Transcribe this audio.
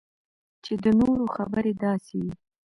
چې د نورو خبرې داسې وي